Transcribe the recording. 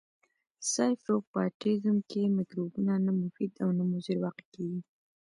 ساپروفایټیزم کې مکروبونه نه مفید او نه مضر واقع کیږي.